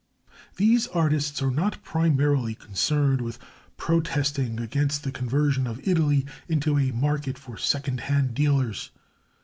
These artists are not primarily concerned with protesting against the conversion of Italy into a "market for second hand dealers."